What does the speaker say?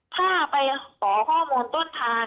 ถ้าไปขอข้อมูลต้นทาง